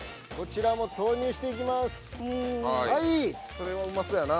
それはうまそうやな。